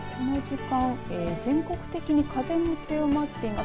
全国的に風も強まっています。